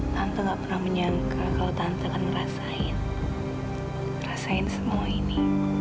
tante gak pernah menyangka kalau tante akan ngerasain rasain semua ini